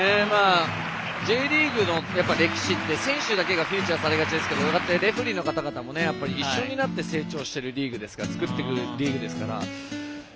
Ｊリーグの歴史って選手たちがフィーチャーされがちですけどレフリーの方々も一緒になって成長して作っていくリーグですから。